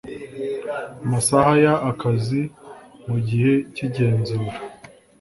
masaha y akazi mu gihe cy igenzura